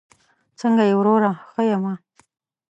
څنګه یې وروره؟ ښه یمه